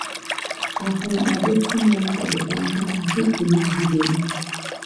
Afuw adek sə malaka nan depanka, akisəmek zəget.